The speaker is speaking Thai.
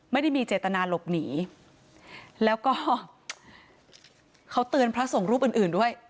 ไม่ได้มีเจตนาหลบหนีแล้วก็เขาเตือนพระสงฆ์รูปอื่นอื่นด้วย